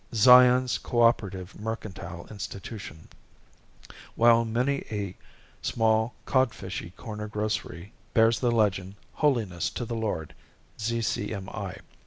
(Zion's Co operative Mercantile Institution), while many a small, codfishy corner grocery bears the legend "Holiness to the Lord, Z.C.M.I."